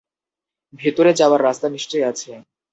ভেতরে যাওয়ার রাস্তা নিশ্চয় আছে।